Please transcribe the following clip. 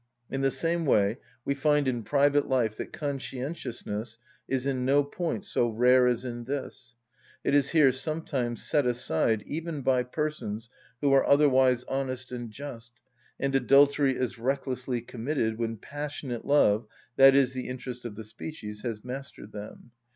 In the same way we find in private life that conscientiousness is in no point so rare as in this: it is here sometimes set aside even by persons who are otherwise honest and just, and adultery is recklessly committed when passionate love, i.e., the interest of the species, has mastered them.